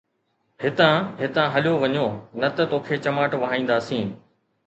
ھتان ھتان ھليو وڃو نه ته توکي چماٽ وهائينداسين